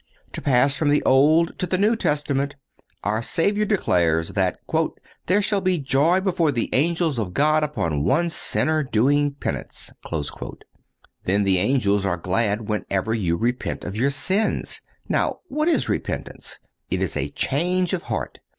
To pass from the Old to the New Testament, our Savior declares that "there shall be joy before the angels of God upon one sinner doing penance."(195) Then the angels are glad whenever you repent of your sins. Now, what is repentance? It is a change of heart.